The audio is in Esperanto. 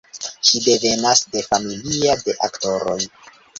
Ŝi devenas de familia de aktoroj.